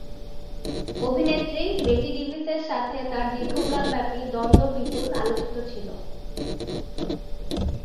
অভিনেত্রী বেটি ডেভিসের সাথে তার দীর্ঘকাল ব্যাপী দ্বন্দ্ব বিপুল আলোচিত ছিল।